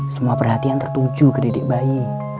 semua perhatian tertuju ke didik bayi